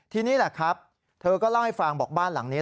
ทีนี้แหละครับเธอก็เล่าให้ฟังบอกบ้านหลังนี้